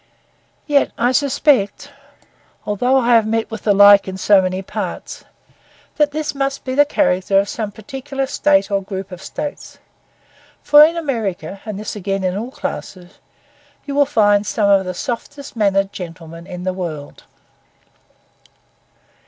Yet I suspect, although I have met with the like in so many parts, that this must be the character of some particular state or group of states, for in America, and this again in all classes, you will find some of the softest mannered gentlemen in the world.